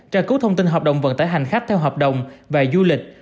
tra cứu thông tin hợp đồng vận tải hành khách theo hợp đồng và du lịch